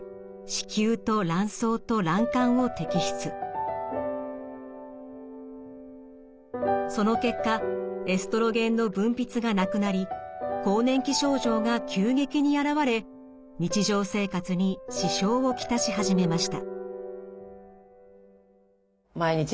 ４０代の会社員その結果エストロゲンの分泌がなくなり更年期症状が急激に現れ日常生活に支障を来し始めました。